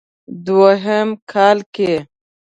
دوهم کال کې